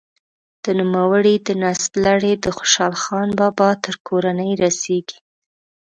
د نوموړي د نسب لړۍ د خوشحال خان بابا تر کورنۍ رسیږي.